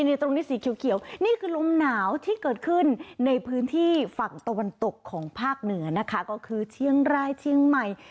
ตรงนี้สีเขียวนี่คือลมหนาวที่เกิดขึ้นในพื้นที่ฝั่งตะวันตกของภาคเหนือนะคะก็คือเชียงรายเชียงใหม่